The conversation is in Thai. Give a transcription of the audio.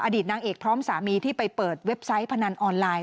อดีตนางเอกพร้อมสามีที่ไปเปิดเว็บไซต์พนันออนไลน์